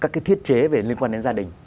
các cái thiết chế liên quan đến gia đình